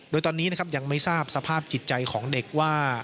โดยตอนนี้นะครับยังไม่ทราบสภาพจิตใจของเด็กว่า